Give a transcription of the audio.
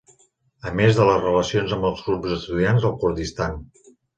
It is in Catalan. A més de les relacions amb els grups d'estudiants al Kurdistan.